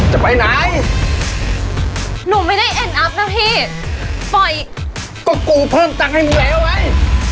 จะไปไหนหนูไม่ได้เอ็นอัพนะพี่ปล่อยก็กูเพิ่มตังค์ให้มึงแล้วเว้ย